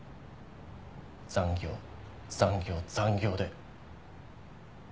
残業残業残業で。